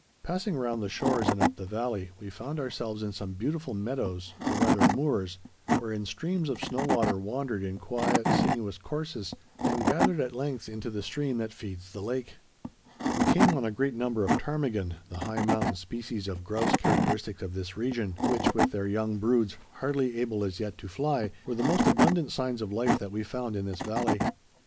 Passing round the shores and up the valley, we found ourselves in some beautiful meadows, or rather moors, wherein streams of snow water wandered in quiet, sinuous courses and gathered at length into the stream that feeds the lake. We came on a great number of ptarmigan—the high mountain species of grouse characteristic of this region,—which, with their young broods hardly able as yet to fly, were the most abundant signs of life that we found in this valley.